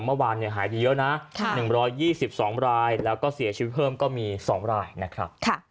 เมื่อวานหายดีเยอะนะ๑๒๒รายแล้วก็เสียชีวิตเพิ่มก็มี๒รายนะครับ